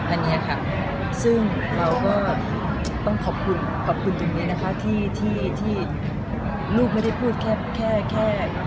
อันนี้ค่ะซึ่งเราก็ต้องขอบคุณขอบคุณตรงนี้นะคะที่ลูกไม่ได้พูดแค่แค่